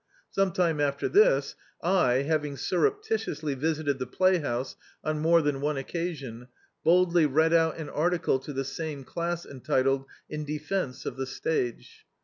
Some time after this I — having sur reptitiously visited the playhouse on more than <Hie occasion — ^boldly read out an article to the same class entitled — "In defence of the Stage."